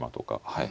はい。